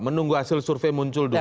menunggu hasil survei muncul dulu